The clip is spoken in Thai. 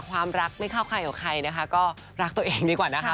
ความรักไม่เข้าใครกับใครนะคะก็รักตัวเองดีกว่านะคะ